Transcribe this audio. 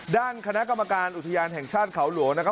ด้านคณะกรรมการอุทยานแห่งชาติเขาหลวงนะครับ